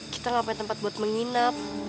kita nggak punya tempat buat menginap